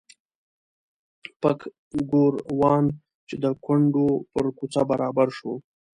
پک ګوروان چې د کونډو پر کوڅه برابر شو.